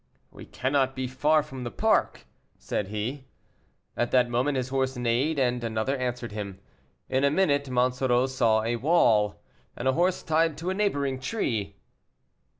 "We cannot be far from the park," said he. At that moment his horse neighed, and another answered him. In a minute Monsoreau saw a wall, and a horse tied to a neighboring tree.